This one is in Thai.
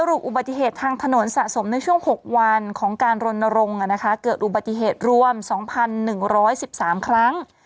สรุปอุบัติเหตุทางถนนสะสมในช่วงหกวันของการรณรงค์อ่ะนะคะเกิดอุบัติเหตุรวมสองพันหนึ่งร้อยสิบสามครั้ง